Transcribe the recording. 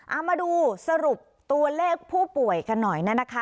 เอามาดูสรุปตัวเลขผู้ป่วยกันหน่อยนะคะ